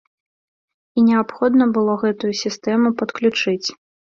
І неабходна было гэтую сістэму падключыць.